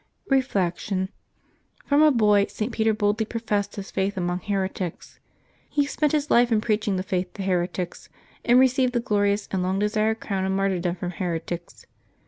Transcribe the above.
Reflection. — Prom a boy St. Peter boldly professed his faith among heretics. He spent his life in preaching the faith to heretics, and received the glorious and long de sired crown of martyrdom from heretics.